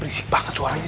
berisik banget suaranya